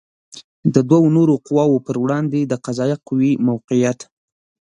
د دوو نورو قواوو پر وړاندې د قضائیه قوې موقعیت